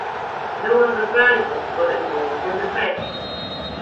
No other drivers were involved in the crash.